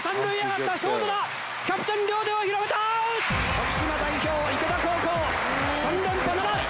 徳島代表池田高校３連覇ならず！